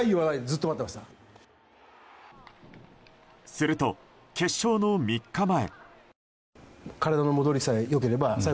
すると決勝の３日前。